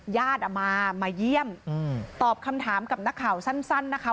ญาติมามาเยี่ยมตอบคำถามกับนักข่าวสั้นนะคะ